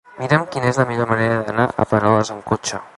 Mira'm quina és la millor manera d'anar a Planoles amb cotxe.